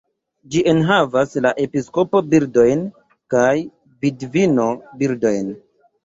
Ĝi enhavas la "episkopo-birdojn" kaj "vidvino-birdojn".